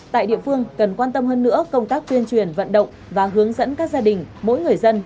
tại địa phương cần quan tâm hơn nữa công tác tuyên truyền vận động và hướng dẫn các gia đình mỗi người dân